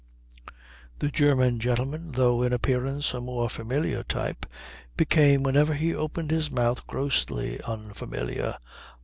And the German gentleman, though in appearance a more familiar type, became whenever he opened his mouth grossly unfamiliar.